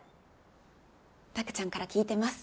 卓ちゃんから聞いてます。